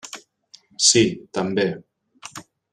Sí, també.